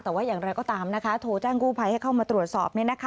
แต่ว่าอย่างไรก็ตามนะคะโทรแจ้งกู้ภัยให้เข้ามาตรวจสอบ